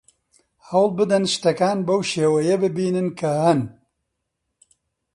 هەوڵ بدەن شتەکان بەو شێوەیە ببینن کە هەن.